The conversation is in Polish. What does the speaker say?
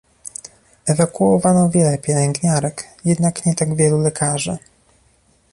Ewakuowano wiele pielęgniarek, jednak nie tak wielu lekarzy